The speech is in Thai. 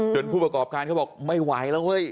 ผู้ประกอบการเขาบอกไม่ไหวแล้วเฮ้ย